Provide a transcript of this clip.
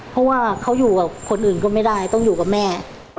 เพราะว่าเขาอยู่กับคนอื่นก็ไม่ได้ต้องอยู่กับแม่